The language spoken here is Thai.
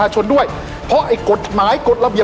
อัศวินตรีอัศวินตรี